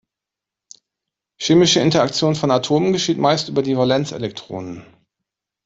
Chemische Interaktion von Atomen geschieht meist über die Valenzelektronen.